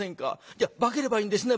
じゃ化ければいいんですね